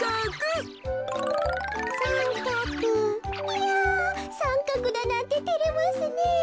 いやさんかくだなんててれますねえ。